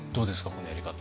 このやり方。